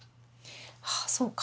はあそうか。